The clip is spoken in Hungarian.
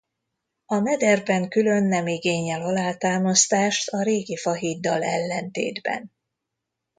A mederben külön nem igényel alátámasztást a régi fahíddal ellentétben.